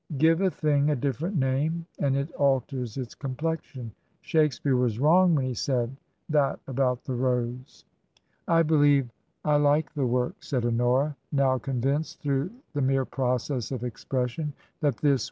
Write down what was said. Give a thing a different name and it alters its com plexion. Shakespeare was wrong when he said that about the rose." " I believe I like the work," said Honora, now con vinced through the mere process of expression that this TRANSITION.